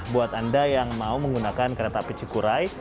buat anda yang mau menggunakan kereta pc kurae